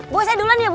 bu saya duluan ya bu